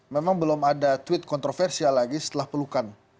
memang belum ada tweet kontroversial lagi setelah pelukan